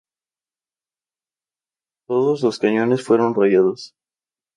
Todos los cañones fueron rayados.